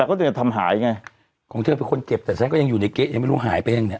แต่เขาต้องจะทำหายไงคงเชื่อเป็นคนเก็บแต่ฉันก็ยังอยู่ในเก๊ยังไม่รู้หายไปเองเนี้ย